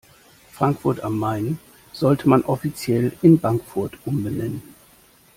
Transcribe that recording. Frankfurt am Main sollte man offiziell in Bankfurt umbenennen.